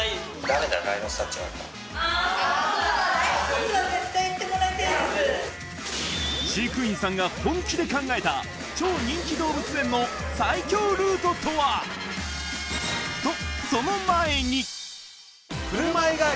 そこで飼育員さんが本気で考えた超人気動物園の最強ルートとはおお！